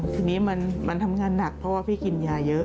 ทีนี้มันทำงานหนักเพราะว่าพี่กินยาเยอะ